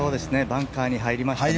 バンカーに入りました。